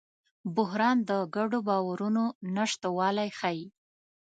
بحران د ګډو باورونو نشتوالی ښيي.